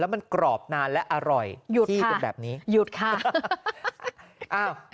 แล้วมันกรอบนานและอร่อยหี้เป็นแบบนี้หยุดค่ะหยุดค่ะ